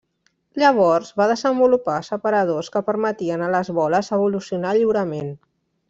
Llavors, va desenvolupar separadors que permetien a les boles evolucionar lliurement.